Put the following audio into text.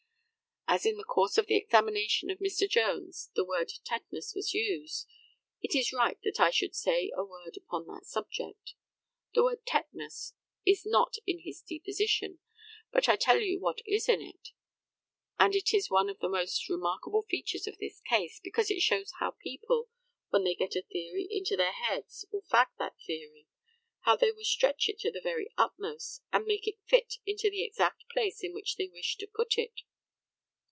As in the course of the examination of Mr. Jones the word "tetanus" was used, it is right that I should say a word upon that subject. The word "tetanus" is not in his deposition; but I tell you what is in it, and it is one of the most remarkable features in this case, because it shows how people, when they get a theory into their heads, will fag that theory, how they will stretch it to the very utmost, and make it fit into the exact place in which they wish to put it.